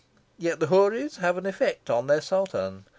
Yet the houris have an effect on their sultan.